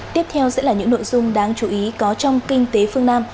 tiếp theo sẽ là những nội dung đáng chú ý có trong kinh tế phương nam